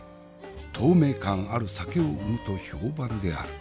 透明感ある酒を生むと評判である。